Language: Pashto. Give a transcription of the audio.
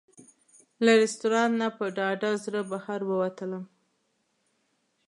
له رسټورانټ نه په ډاډه زړه بهر ووتلم.